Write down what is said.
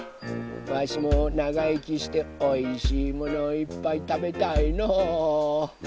わしもながいきしておいしいものをいっぱいたべたいのう。